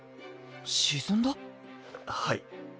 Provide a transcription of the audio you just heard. はい。